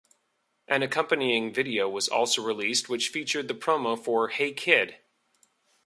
An accompanying video was also released which featured the promo for "Hey Kid".